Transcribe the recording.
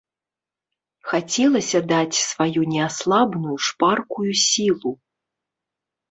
Хацелася даць сваю неаслабную шпаркую сілу.